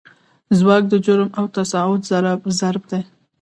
ځواک د جرم او تساعد ضرب دی.